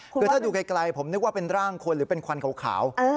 คือถ้าดูไกลผมนึกว่าเป็นร่างคนหรือเป็นควันขาว